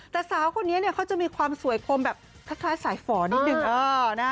แต่สาวคนนี้เขาจะมีความสวยคมแบบคล้ายสายฝ่อนิดนึง